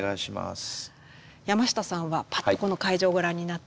山下さんはぱっとこの会場をご覧になってどんな印象？